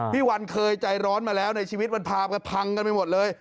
พี่วันเคยใจร้อนมาแล้วในชีวิตมันพากันพังกันไปหมดเลย